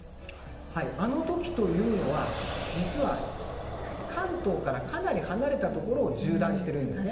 あのときというのは、実は関東からかなり離れた所を縦断しているんです。